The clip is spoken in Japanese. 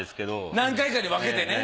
何回かに分けてね。